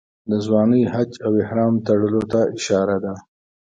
د ځوانۍ حج او احرام تړلو ته اشاره ده.